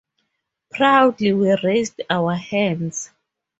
Proudly we raised our hands.